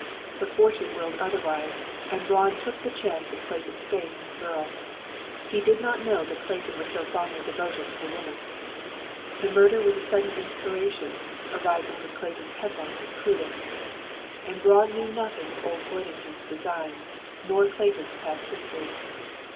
"But fortune willed otherwise, and Braun took the chance of Clayton's faith in the girl. He did not know that Clayton was so fondly devoted to the woman. "The murder was a sudden inspiration, arising from Clayton's headlong imprudence. "And Braun knew nothing of old Worthington's designs, nor Clayton's past history.